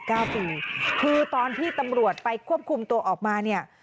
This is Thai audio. เก้าปีคือตอนที่ตำรวจไปควบคุมตัวออกมาเนี่ย